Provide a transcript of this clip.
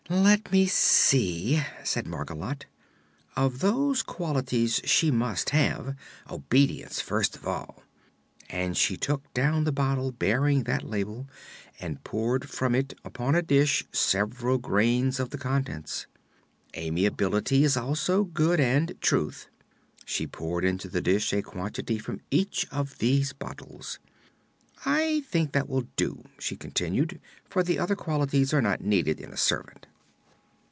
"Let me see," said Margolotte; "of those qualities she must have 'Obedience' first of all," and she took down the bottle bearing that label and poured from it upon a dish several grains of the contents. "'Amiability' is also good and 'Truth.'" She poured into the dish a quantity from each of these bottles. "I think that will do," she continued, "for the other qualities are not needed in a servant."